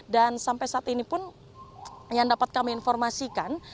dan sampai saat ini pun yang dapat kami informasikan